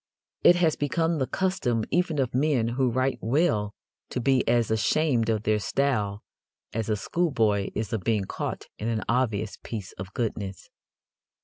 It has become the custom even of men who write well to be as ashamed of their style as a schoolboy is of being caught in an obvious piece of goodness.